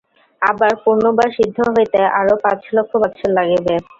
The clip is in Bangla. আবার পূর্ণ বা সিদ্ধ হইতে আরও পাঁচ লক্ষ বৎসর লাগিবে।